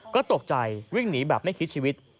ก็ตกใจวิ่งหนีแบบไม่คิดชีวิต